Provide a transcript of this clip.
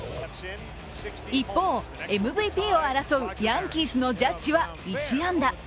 一方、ＭＶＰを争うヤンキースのジャッジは１安打。